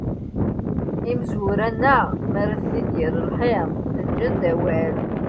Imezwura-nneɣ mara ten-id-yerr lḥiḍ, ǧǧan-d awal.